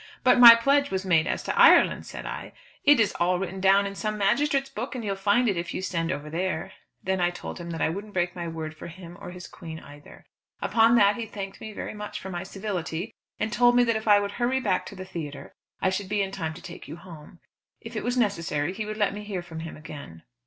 'But my pledge was made as to Ireland,' said I. 'It is all written down in some magistrate's book, and you'll find it if you send over there.' Then I told him that I wouldn't break my word for him or his Queen either. Upon that he thanked me very much for my civility, and told me that if I would hurry back to the theatre I should be in time to take you home. If it was necessary he would let me hear from him again.